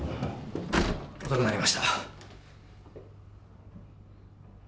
遅くなりました。